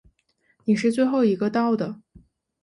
你是最后一个到的。